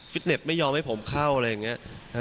เน็ตไม่ยอมให้ผมเข้าอะไรอย่างนี้